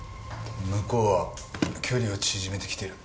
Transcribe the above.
向こうは距離を縮めてきてる。